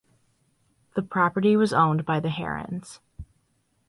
The property was owned by the Herons.